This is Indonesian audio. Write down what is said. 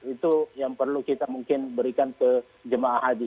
itu yang perlu kita mungkin berikan ke jemaah haji